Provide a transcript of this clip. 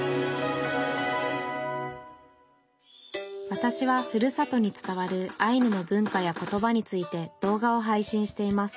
わたしはふるさとに伝わるアイヌの文化や言葉について動画を配信しています